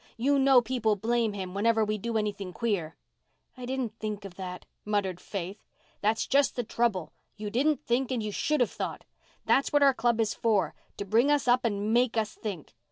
You know people blame him whenever we do anything queer." "I didn't think of that," muttered Faith. "That's just the trouble. You didn't think and you should have thought. That's what our Club is for—to bring us up and make us think.